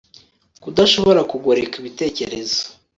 Kudashobora kugoreka ibitekerezo